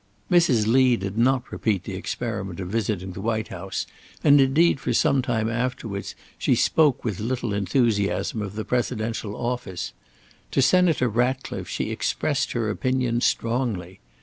Mrs. Lee did not repeat the experiment of visiting the White House, and indeed for some time afterwards she spoke with little enthusiasm of the presidential office. To Senator Ratcliffe she expressed her opinions strongly.